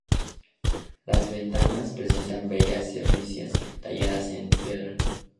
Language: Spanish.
Las ventanas presentan bellas celosías talladas en piedra.